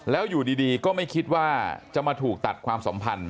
แล้วอยู่ดีก็ไม่คิดว่าจะมาถูกตัดความสัมพันธ